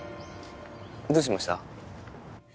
どうしました？